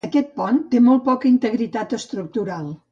Aquest pont té molt poca integritat estructural.